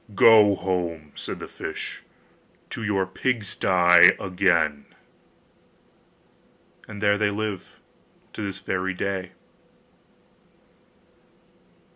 'Go home,' said the fish, 'to your pigsty again.' And there they live to this very day.